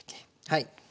はい。